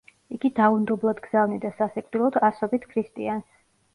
იგი დაუნდობლად გზავნიდა სასიკვდილოდ ასობით ქრისტიანს.